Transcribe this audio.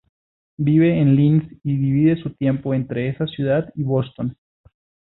Vive en Linz y divide su tiempo entre esa ciudad y Boston.